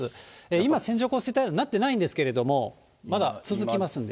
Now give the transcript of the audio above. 今、線状降水帯になってないんですけれども、まだ続きますんで。